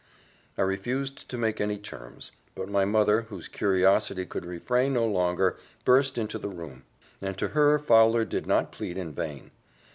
I refused to make any terms; but my mother, whose curiosity could refrain no longer, burst into the room; and to her Fowler did not plead in vain.